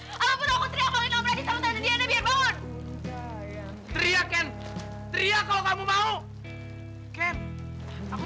apapun aku teriak bangunin om radit sama tante diana biar bangun